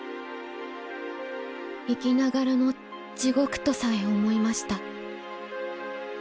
「生きながらの地ごくとさえ思いました」。